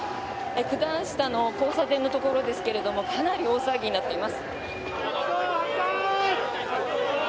九段下の交差点のところですけどもかなり大騒ぎになっています。